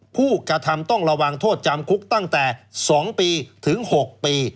ผู้กระทำต้องระวังโทษจำคุกตั้งแต่๒ปีถึง๖ปี